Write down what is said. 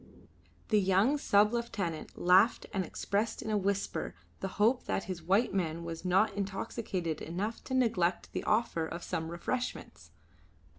The young sub lieutenant laughed and expressed in a whisper the hope that the white man was not intoxicated enough to neglect the offer of some refreshments.